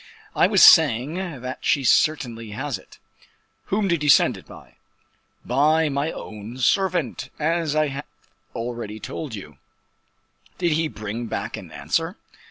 "I was saying that she certainly has it." "Whom did you send it by?" "By my own servant, as I have already told you." "Did he bring back an answer?"